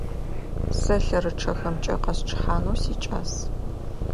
Сэ лъэрычъэхэмкӀэ къэсчъыхьанэу сикӀас.